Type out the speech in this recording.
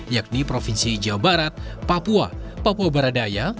yakni provinsi jawa barat papua papua baradaya